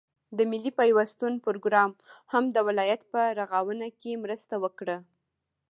د ملي پيوستون پروگرام هم د ولايت په رغاونه كې مرسته وكړه،